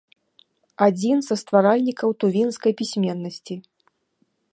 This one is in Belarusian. Адзін са стваральнікаў тувінскай пісьменнасці.